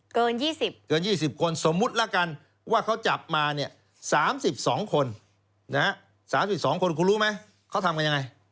เกิน๒๐เกิน๒๐คนสมมุติแล้วกันว่าเขาจับมาเนี่ย๓๒คน๓๒คนคุณรู้ไหมเขาทำกันยังไง